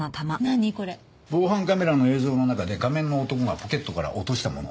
防犯カメラの映像の中で仮面の男がポケットから落としたもの。